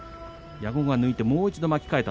矢後を抜いてもう一度巻き替えました。